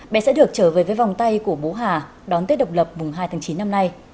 bé sẽ được trở về với vòng tay của bố hà đón tết độc lập mùng hai tháng chín năm nay